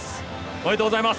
おめでとうございます。